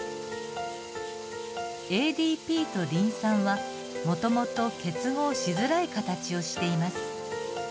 ＡＤＰとリン酸はもともと結合しづらい形をしています。